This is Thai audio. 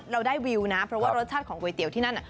เราได้วิวนะเพราะว่ารสชาติของก๋วยเตี๋ยวที่นั่นน่ะ